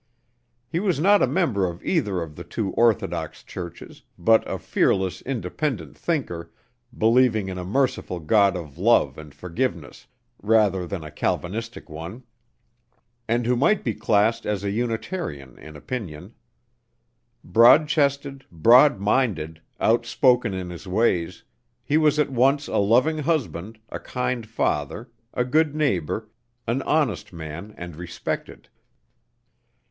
He was not a member of either of the two orthodox churches, but a fearless, independent thinker, believing in a merciful God of love and forgiveness, rather than a Calvinistic one, and who might be classed as a Unitarian in opinion. Broad chested, broad minded, outspoken in his ways, he was at once a loving husband, a kind father, a good neighbor, an honest man and respected.